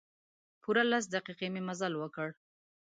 پوره لس دقیقې مې مزل وکړ.